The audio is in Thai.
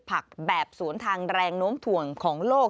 ผักแบบสวนทางแรงโน้มถ่วงของโลก